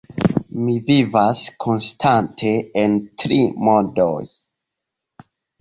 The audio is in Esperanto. Mi vivas konstante en tri mondoj.